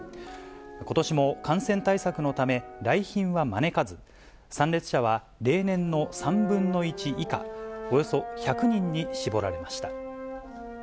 ことしも感染対策のため、来賓は招かず、参列者は例年の３分の１以下、およそ１００人に絞られました。